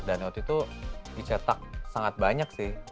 dan waktu itu dicetak sangat banyak sih